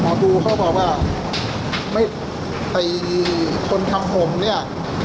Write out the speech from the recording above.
หมอดูเขาบอกว่าคนทำห่มเนี่ย